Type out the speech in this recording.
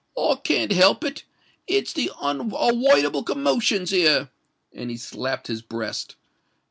I can't help it! It's the unawoidable commotions here!" and he slapped his breast.